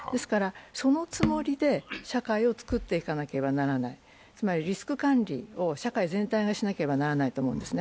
そのつもりで社会を作っていかなければならない、つまりリスク管理を社会全体がしなければならないと思うんですね。